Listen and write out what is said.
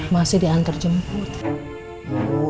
masih diantar jemput